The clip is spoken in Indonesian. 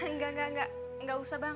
engga engga engga gak usah bang